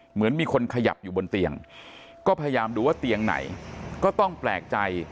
เหมือนมีคนขยับอยู่บนเตียงก็พยายามดูว่าเตียงไหนก็ต้องแปลกใจ